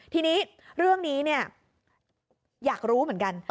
ทีนี้เรื่องนี้อยากรู้เหมือนกัน